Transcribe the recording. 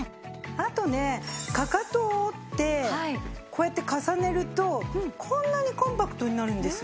あとねかかとを折ってこうやって重ねるとこんなにコンパクトになるんです。